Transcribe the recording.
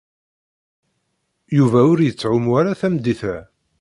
Yuba ur yettɛumu ara tameddit-a.